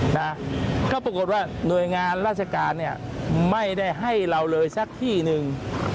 นะก็ปรากฏว่าหน่วยงานราชการเนี่ยไม่ได้ให้เราเลยสักที่หนึ่ง